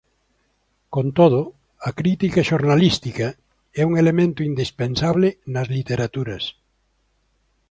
Con todo, a crítica xornalística é un elemento indispensable nas literaturas.